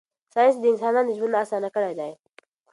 ساینس د انسانانو ژوند اسانه کړی دی.